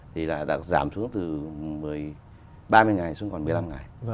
thì là đã giảm xuống từ ba mươi ngày xuống còn một mươi năm ngày